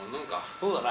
そうだな。